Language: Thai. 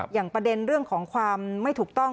อย่างประเด็นเรื่องของความไม่ถูกต้อง